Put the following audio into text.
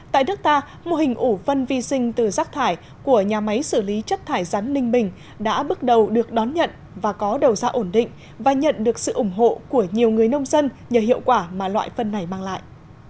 tại nước ta mô hình ủ vân vi sinh từ rác thải của nhà máy xử lý chất thải rắn ninh bình đã bước đầu được đón nhận và có đầu ra ổn định và nhận được sự ủng hộ của nhiều người nông dân nhờ hiệu quả mà loại phân này mang lại